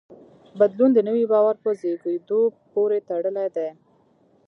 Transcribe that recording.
بدلون د نوي باور په زېږېدو پورې تړلی دی.